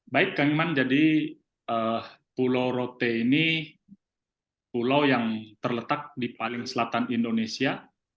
baik kang iman jadi pulau rote ini pulau yang terletak di paling selatan indonesia